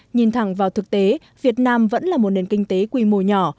nhìn thẳng vào thực tế việt nam vẫn là một nền kinh tế quy mô nhỏ